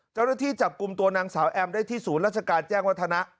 เจ้าหน้าที่จับกลุ่มตัวนางสาวแอมได้ที่ศูนย์ราชการแจ้งวัฒนะ